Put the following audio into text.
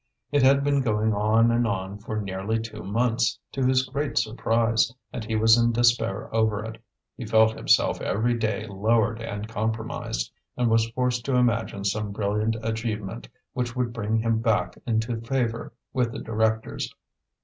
It had been going on and on for nearly two months, to his great surprise, and he was in despair over it; he felt himself every day lowered and compromised, and was forced to imagine some brilliant achievement which would bring him back into favour with the directors.